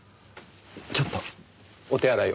ちょっとお手洗いを。